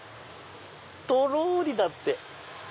「とろり」だって。